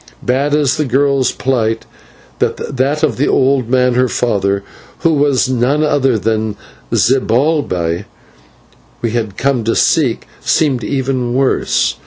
Bad as was the girl's plight, that of the old man her father, who was none other than the Zibalbay we had come to seek, seemed even worse.